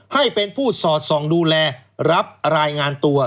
ให้เป็นผู้สอดส่องดูแลรับรายงานตัว